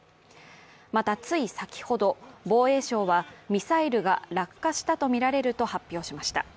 また、つい先ほど防衛省はミサイルが落下したとみられると発表しました。